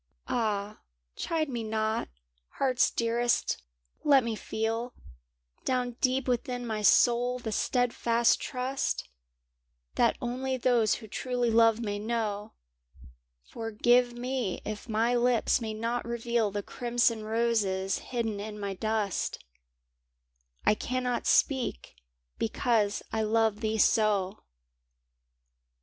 w Ah, chide me not, Heart's Dearest — let me feel Down deep within my soul the stead fast trust That only those who truly love may know; Forgive me if my lips may not reveal The crimson roses hidden in my dust — I cannot speak because I love thee so!